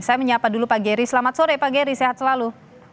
saya menyapa dulu pak geri selamat sore pak geri sehat selalu